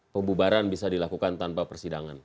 pembubaran bisa dilakukan tanpa prosedur peradilan